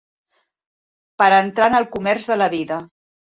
Per entrar en el comerç de la vida.